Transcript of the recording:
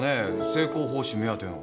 成功報酬目当ての。